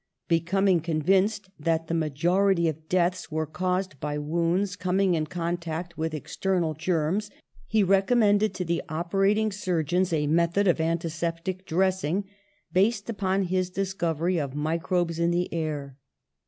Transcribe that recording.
Becoming con vinced that the majority of deaths were caused by wounds coming in contact with external THE CURATIVE POISON 119 germs, he recommended to the operating sur geons a method of antiseptic dressing, based upon his discovery of microbes in the air.